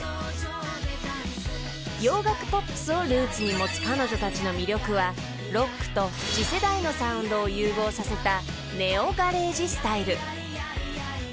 ［洋楽ポップスをルーツに持つ彼女たちの魅力はロックと次世代のサウンドを融合させたネオガレージスタイル］